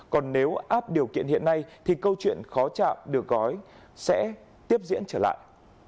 còn nếu áp điều kiện hiện nay thì câu chuyện khó chạm được gói sẽ tiếp diễn trở lại